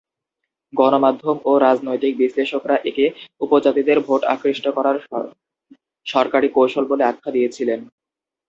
গণমাধ্যম ও রাজনৈতিক বিশ্লেষকরা একে উপজাতিদের ভোট আকৃষ্ট করার সরকারি কৌশল বলে আখ্যা দিয়েছিলেন।